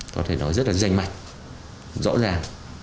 có thể nói rất là dành mạnh rõ ràng